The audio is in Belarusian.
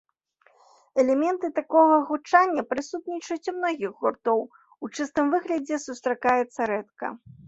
Элементы такога гучання прысутнічаюць у многіх гуртоў, у чыстым выглядзе сустракаецца рэдка.